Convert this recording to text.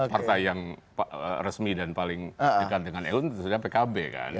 partai yang resmi dan paling dikantengan eu itu sudah pkb kan